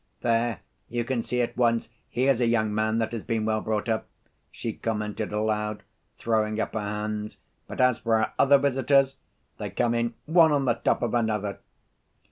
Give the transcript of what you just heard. "There, you can see at once he is a young man that has been well brought up," she commented aloud, throwing up her hands; "but as for our other visitors they come in one on the top of another."